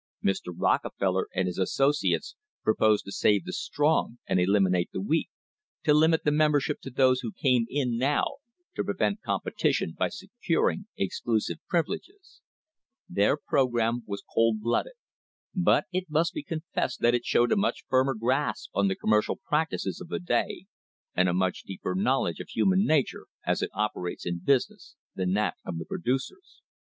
Mr. Rocke feller and his associates proposed to save the strong and elimi nate the weak, to limit the membership to those who came in THE HISTORY OF THE STANDARD OIL COMPANY now, to prevent competition by securing exclusive privileges. Their program was cold blooded, but it must be confessed that it showed a much firmer grasp on the commercial practices of the day, and a much deeper knowledge of human nature as it operates in business, than that of the producers.